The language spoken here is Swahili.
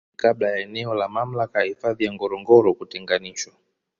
Hii ni Kabla ya eneo la mamlaka ya hifadhi ya Ngorongoro kutenganishwa